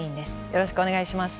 よろしくお願いします。